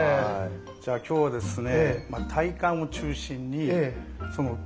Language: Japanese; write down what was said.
じゃあ今日はですね